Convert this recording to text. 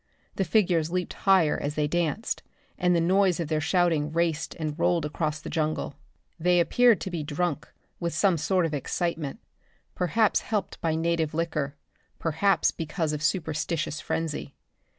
The figures leaped higher as they danced, and the noise of their shouting raced and rolled across the jungle. They appeared to be drunk with some sort of excitement, perhaps helped by native liquor, perhaps because of superstitious frenzy.